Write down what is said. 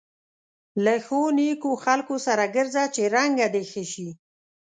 له ښو نېکو خلکو سره ګرځه چې رنګه دې ښه شي.